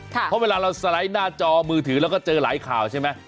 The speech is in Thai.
เพราะเวลาเราสไลด์หน้าจอมือถือเราก็เจอหลายข่าวใช่ไหม